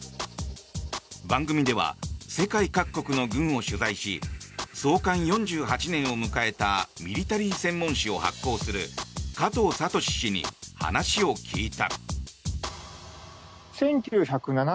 番組では世界各国の軍を取材し創刊４８年を迎えたミリタリー専門誌を発行する加藤聡氏に話を聞いた。